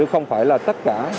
không phải là tất cả